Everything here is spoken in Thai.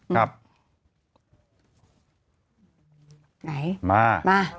ไหนมา